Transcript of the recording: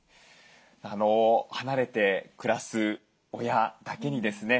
離れて暮らす親だけにですね